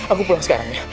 aku pulang sekarang ya